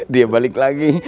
dia balik lagi